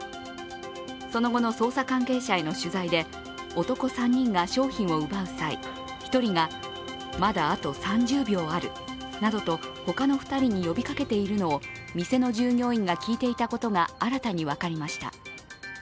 その後の捜査関係者への取材で、男３人が商品を奪う際、１人がまだあと３０秒あるなどと、他の２人に呼びかけているのを店の従業員が聞いていたことが新たに分かりました。